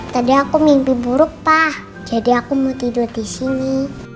tadi aku mimpi buruk pak jadi aku mau tidur di sini